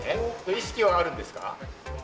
意識はあるんですか？